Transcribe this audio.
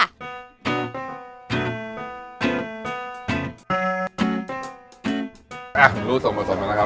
อ่ะรู้สมประสงค์แล้วนะครับ